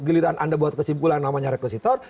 giliran anda buat kesimpulan namanya rekositor